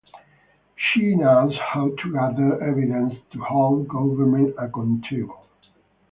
She knows how to gather evidence to hold government accountable.